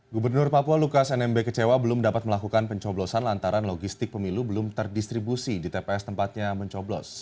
gubernur papua lukas nmb kecewa belum dapat melakukan pencoblosan lantaran logistik pemilu belum terdistribusi di tps tempatnya mencoblos